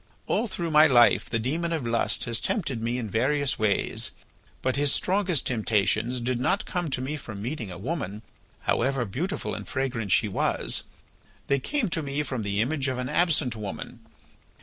All through my life the demon of lust has tempted me in various ways, but his strongest temptations did not come to me from meeting a woman, however beautiful and fragrant she was. They came to me from the image of an absent woman.